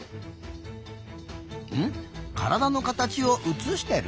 ん？からだのかたちをうつしてる？